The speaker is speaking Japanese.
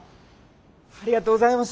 ありがとうございます。